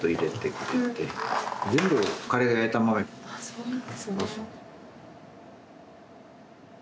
そうなんですね。